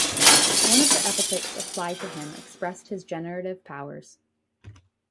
One of the epithets applied to him expressed his generative powers.